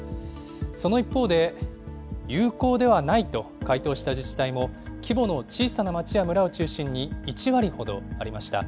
その一方で、有効ではないと回答した自治体も規模の小さな町や村を中心に１割ほどありました。